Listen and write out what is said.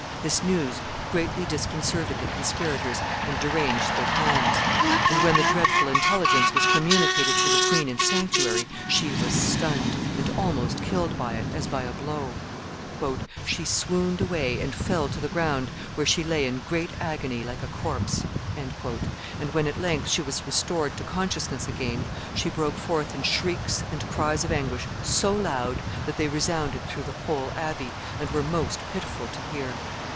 This news greatly disconcerted the conspirators and deranged their plans; and when the dreadful intelligence was communicated to the queen in the sanctuary, she was stunned, and almost killed by it, as by a blow. "She swooned away, and fell to the ground, where she lay in great agony, like a corpse;" and when at length she was restored to consciousness again, she broke forth in shrieks and cries of anguish so loud, that they resounded through the whole Abbey, and were most pitiful to hear.